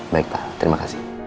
baik pak terima kasih